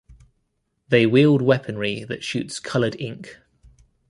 They wield weaponry that shoots colored ink.